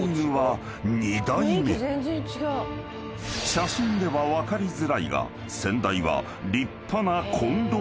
［写真では分かりづらいが］